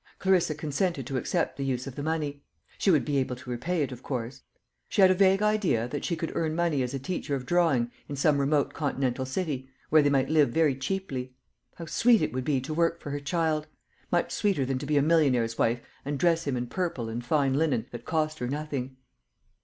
Clarissa consented to accept the use of the money. She would be able to repay it, of course. She had a vague idea that she could earn money as a teacher of drawing in some remote continental city, where they might live very cheaply. How sweet it would be to work for her child! much sweeter than to be a millionaire's wife and dress him in purple and fine linen that cost her nothing.